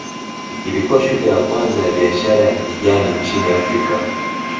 Ilikuwa shule ya kwanza ya biashara ya kijani nchini Afrika.